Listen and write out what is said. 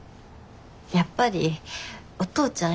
やっぱりお父ちゃん